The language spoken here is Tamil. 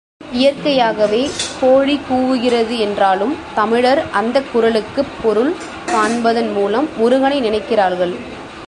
இயற்கையாகவே கோழி கூவுகிறது என்றாலும், தமிழர் அந்தக் குரலுக்குப் பொருள் காண்பதன் மூலம் முருகனை நினைக்கிறார்கள்.